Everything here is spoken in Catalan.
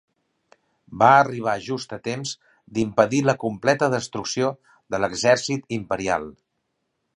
Va arribar just a temps d'impedir la completa destrucció de l'exèrcit imperial.